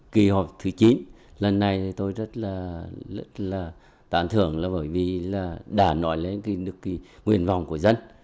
kỳ họp thứ chín lần này tôi rất là tán thưởng là bởi vì là đã nói lên được cái nguyên vọng của dân